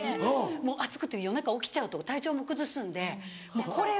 もう暑くて夜中起きちゃうと体調も崩すんでこれは。